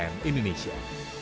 tim liputan cnn indonesia